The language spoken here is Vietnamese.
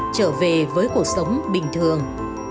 trở về với cuộc sống bình thường